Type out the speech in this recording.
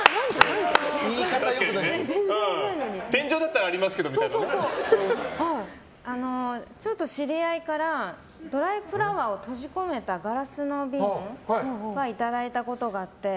天井だったらありますけどちょっと知り合いからドライフラワーを閉じ込めたガラスの瓶はいただいたことがあって。